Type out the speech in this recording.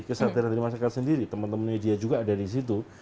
kesadaran dari masyarakat sendiri teman teman media juga ada di situ